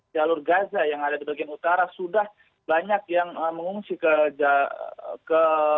jalur gaza yang ada di bagian utara sudah banyak yang mengungsi ke